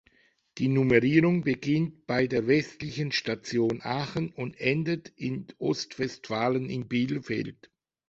Die Nummerierung beginnt bei der westlichsten Station Aachen und endet in Ostwestfalen in Bielefeld.